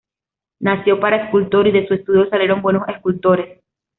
Nació para escultor y de su estudio salieron buenos escultores.